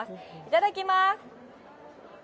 いただきます。